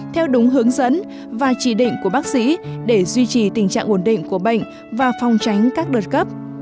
theo đúng hướng dẫn và chỉ định của bác sĩ để duy trì tình trạng ổn định của bệnh và phong tránh các đợt cấp